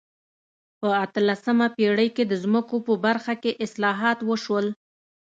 په اتلسمه پېړۍ کې د ځمکو په برخه کې اصلاحات وشول.